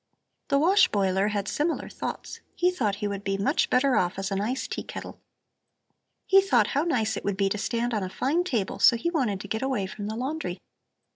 The wash boiler had similar thoughts. He thought he would be much better off as a nice tea kettle. He thought how nice it would be to stand on a fine table, so he wanted to get away from the laundry.